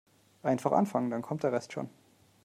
Einfach anfangen, dann kommt der Rest schon.